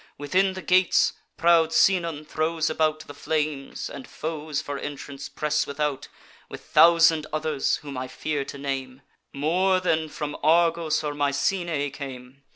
Within the gates, proud Sinon throws about The flames; and foes for entrance press without, With thousand others, whom I fear to name, More than from Argos or Mycenae came.